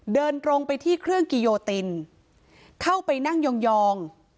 เดินตรงไปที่เครื่องกิโยตินเข้าไปนั่งยอง